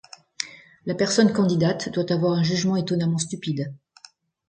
La personne candidate doit avoir un jugement étonnamment stupide.